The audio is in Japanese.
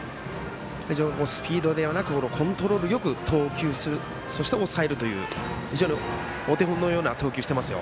スピードではなくコントロールよく投球するそして、抑えるというお手本のような投球してますよ。